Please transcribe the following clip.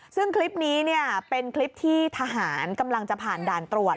ซึ่งคลิปนี้เป็นคลิปที่ทหารกำลังจะผ่านด่านตรวจ